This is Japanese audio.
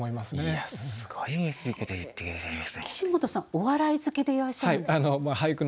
お笑い好きでいらっしゃるんですか？